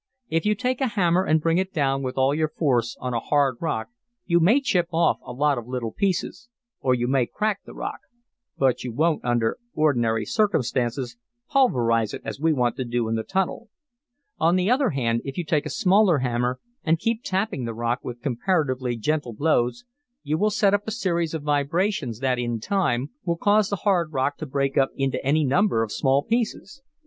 "If you take a hammer and bring it down with all your force on a hard rock you may chip off a lot of little pieces, or you may crack the rock, but you won't, under ordinary circumstances, pulverize it as we want to do in the tunnel. "On the other hand, if you take a smaller hammer, and keep tapping the rock with comparatively gentle blows, you will set up a series of vibrations, that, in time, will cause the hard rock to break up into any number of small pieces.